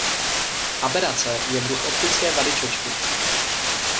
Aberace je druh optické vady čočky.